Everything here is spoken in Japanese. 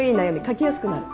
書きやすくなる。